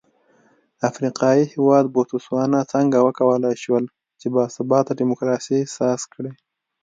افریقايي هېواد بوتسوانا څنګه وکولای شول چې با ثباته ډیموکراسي ساز کړي.